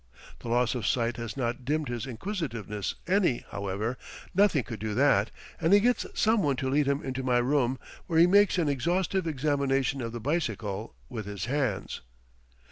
The loss of sight has not dimmed his inquisitiveness any, however; nothing could do that, and he gets someone to lead him into my room, where he makes an exhaustive examination of the bicycle with his hands.